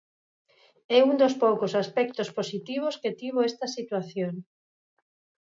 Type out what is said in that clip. É un dos poucos aspectos positivos que tivo esta situación.